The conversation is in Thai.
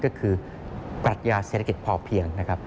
ก็คือปรัชญาเศรษฐกิจพอเพียงนะครับ